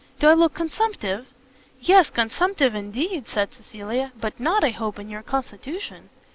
do I look consumptive?" "Yes, consumptive indeed!" said Cecilia, "but not, I hope, in your constitution."